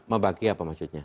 membagi apa maksudnya